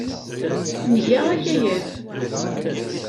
Nga akayad.